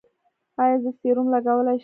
ایا زه سیروم لګولی شم؟